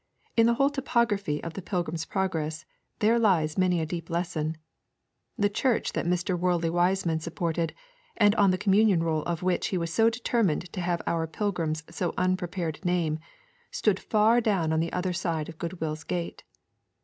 In the whole topography of the Pilgrim's Progress there lies many a deep lesson. The church that Mr. Worldly Wiseman supported, and on the communion roll of which he was so determined to have our pilgrim's so unprepared name, stood far down on the other side of Goodwill's gate.